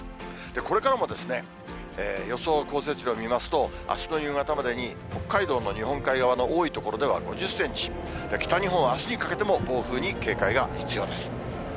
これからも予想降雪量見ますと、あすの夕方までに、北海道の日本海側の多い所では５０センチ、北日本はあすにかけても暴風に警戒が必要です。